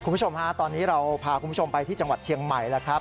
คุณผู้ชมฮะตอนนี้เราพาคุณผู้ชมไปที่จังหวัดเชียงใหม่แล้วครับ